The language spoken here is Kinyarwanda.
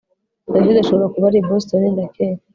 David ashobora kuba ari i Boston ndakeka